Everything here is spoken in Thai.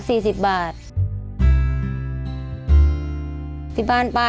ขอเพียงคุณสามารถที่จะเอ่ยเอื้อนนะครับ